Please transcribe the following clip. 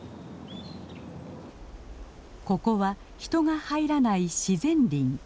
ここは人が入らない自然林。